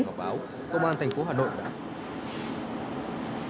đo nồng độ kỹ thải